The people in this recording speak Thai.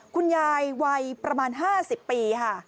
คุณยายวัยประมาณ๕๐ปีค่ะ